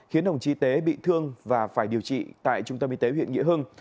khiến đồng chí tế bị thương và phải điều trị tại trung tâm y tế huyện nghĩa hưng